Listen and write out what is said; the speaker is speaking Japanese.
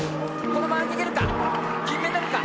このまま逃げるか⁉金メダルか？